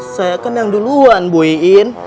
saya kan yang duluan bu iin